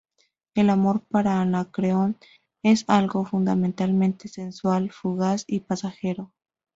El amor para Anacreonte es algo fundamentalmente sensual, fugaz y pasajero.